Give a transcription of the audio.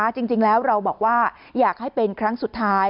จริงแล้วเราบอกว่าอยากให้เป็นครั้งสุดท้าย